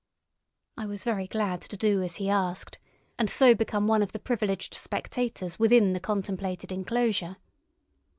I was very glad to do as he asked, and so become one of the privileged spectators within the contemplated enclosure.